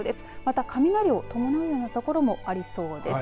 また、雷を伴うような所もありそうです。